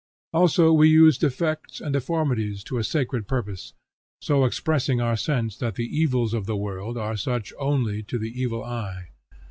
Also we use defects and deformities to a sacred purpose, so expressing our sense that the evils of the world are such only to the evil eye.